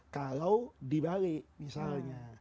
kalau dibalik misalnya